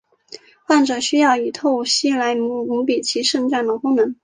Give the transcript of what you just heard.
患者需要以透析来弥补其肾脏的功能。